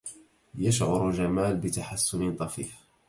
يشعر جمال بتحسن طفيف.